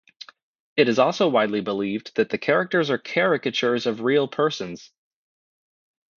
It is also widely believed that the characters are caricatures of real persons.